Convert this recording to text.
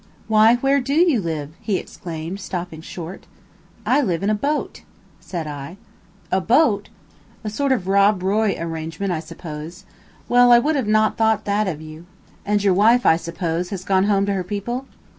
"Why, where DO you live?" he exclaimed, stopping short. "I live in a boat," said I. "A boat! A sort of 'Rob Roy' arrangement, I suppose. Well, I would not have thought that of you. And your wife, I suppose, has gone home to her people?"